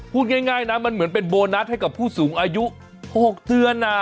พูดง่ายนะมันเหมือนเป็นโบนัสให้กับผู้สูงอายุ๖เดือน